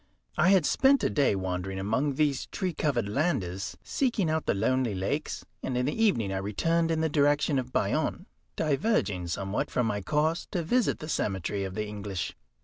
I had spent a day wandering among these tree covered landes, seeking out the lonely lakes, and in the evening I returned in the direction of Bayonne, diverging somewhat from my course to visit the cemetery of the English.